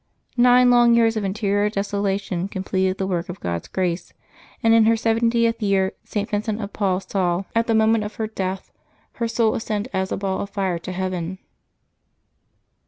Nine long years of interior desolation completed the work of God's grace; and in her seventieth year St. Vincent of Paul saw, at the mo 200 LIVES OF THE SAINTS [August 22 ment of her death, her soul ascend, as a ball of fire, to heaven.